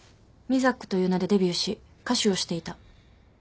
ＭＩＺＡＣという名でデビューし歌手をしていた。